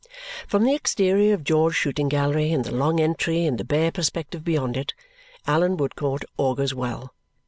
From the exterior of George's Shooting Gallery, and the long entry, and the bare perspective beyond it, Allan Woodcourt augurs well.